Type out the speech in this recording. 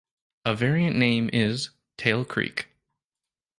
A variant name is "Tail Creek".